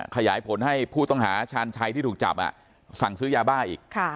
ขยายผลให้ผู้ต้องหาชาญชัยที่ถูกจับสั่งซื้อยาบ้าอีก